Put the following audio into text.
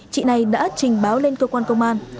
chị này đã trình báo lên cơ quan công an